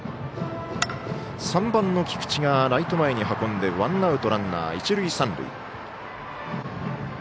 ３番の菊地がライト前に運んでワンアウトランナー、一塁三塁。